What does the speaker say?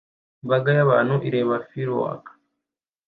Imbaga y'abantu ireba fireworks